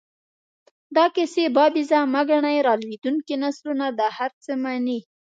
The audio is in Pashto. دا کیسې بابیزه مه ګڼئ، را لویېدونکي نسلونه دا هر څه مني.